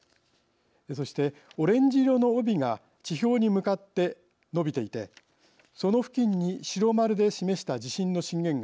そしてオレンジ色の帯が地表に向かって伸びていてその付近に白丸で示した地震の震源が集中しています。